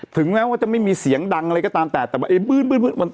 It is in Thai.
ถึงแม้ว่าจะไม่มีเสียงดังอะไรก็ตามแต่แต่ว่าไอ้บื้นมัน